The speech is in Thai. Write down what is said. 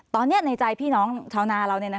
ตอนนี้ในใจพี่น้องชาวนาเรา